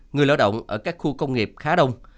người lao động ở các khu công nghiệp khá đông